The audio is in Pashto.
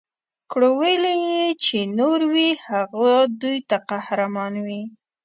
کړولي چي یې نور وي هغه دوی ته قهرمان وي